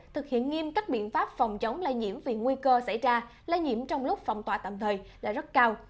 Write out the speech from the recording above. thực hiện nghiêm cách biện pháp phòng chống lai nhiễm vì nguy cơ xảy ra lai nhiễm trong lúc phòng tỏa tạm thời là rất cao